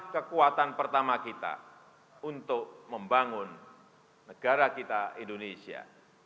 kekuatan pertama kita untuk membangun negara kita indonesia